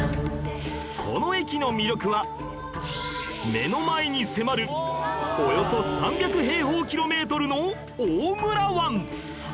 この駅の魅力は目の前に迫るおよそ３００平方キロメートルの大村湾